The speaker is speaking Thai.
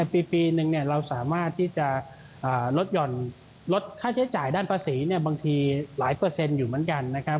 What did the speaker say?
ปีนึงเราสามารถที่จะลดค่าใช้จ่ายด้านภาษีบางทีหลายเปอร์เซ็นต์อยู่เหมือนกัน